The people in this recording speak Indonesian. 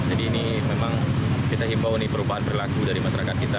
jadi ini memang kita himpau ini perubahan berlaku dari masyarakat kita